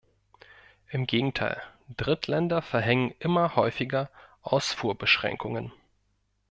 Im Gegenteil, Drittländer verhängen immer häufiger Ausfuhrbeschränkungen.